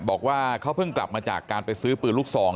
บอกว่าเขาเพิ่งกลับมาจากการไปซื้อปืนลูกซอง